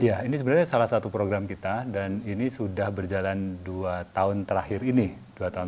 ya ini sebenarnya salah satu program kita dan ini sudah berjalan dua tahun